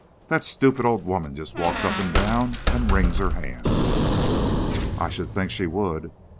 That stupid old woman just walks up and down and wrings her hands!" "I should think she would!